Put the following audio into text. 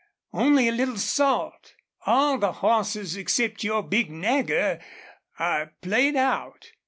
Only a little salt! All the hosses except your big Nagger are played out.